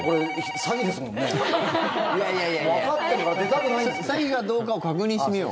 詐欺かどうかを確認してみよう。